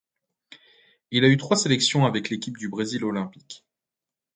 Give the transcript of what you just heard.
Il a eu trois sélections avec l'équipe du Brésil olympique.